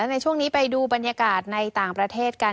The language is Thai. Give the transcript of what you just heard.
ในช่วงนี้ไปดูบรรยากาศในต่างประเทศกัน